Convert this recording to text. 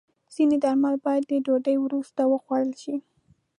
ځینې درمل باید د ډوډۍ وروسته وخوړل شي.